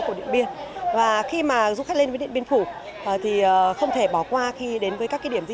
của điện biên và khi mà du khách lên với điện biên phủ thì không thể bỏ qua khi đến với các cái điểm di